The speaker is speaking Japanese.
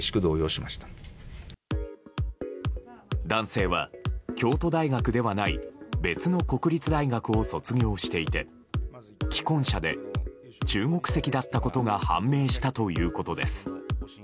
男性は、京都大学ではない別の国立大学を卒業していて既婚者で、中国籍だったことが判明したということです。